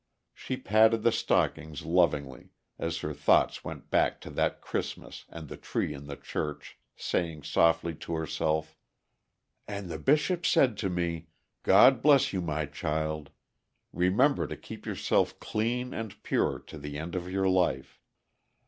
She patted the stockings lovingly, as her thoughts went back to that Christmas and the tree in the church, saying softly to herself: "And the Bishop said to me, 'God bless you, my child! Remember to keep yourself clean and pure to the end of your life.